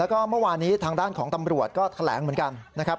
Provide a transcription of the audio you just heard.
แล้วก็เมื่อวานนี้ทางด้านของตำรวจก็แถลงเหมือนกันนะครับ